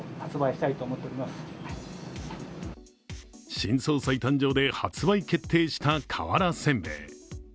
新総裁誕生で発売決定した瓦煎餅。